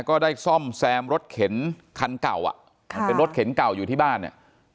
ก็ได้ซ่อมแซมรถเข็นคันเก่าอ่ะมันเป็นรถเข็นเก่าอยู่ที่บ้านเนี่ย